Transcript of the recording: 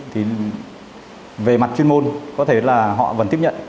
thì về mặt chuyên môn có thể là họ vẫn tiếp nhận